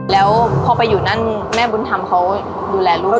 แล้วพอไปอยู่นั่นแม่บุญธรรมเขาดูแลลูก